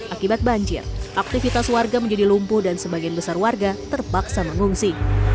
akibat banjir aktivitas warga menjadi lumpuh dan sebagian besar warga terpaksa mengungsi